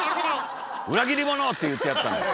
「裏切り者！」って言ってやったんですよ。